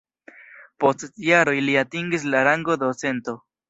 Post jaroj li atingis la rangon docento.